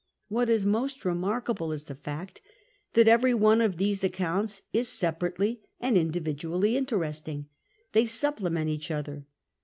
What is more remarkable is the fact that every one of these accounts is sejmrately and individually interesting. They supplement each other.